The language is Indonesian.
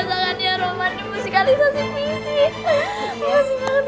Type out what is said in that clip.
makasih banget ya ya allah